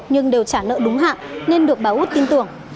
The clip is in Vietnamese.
nhưng đều trả nợ đúng hạn nên được bà út tin tưởng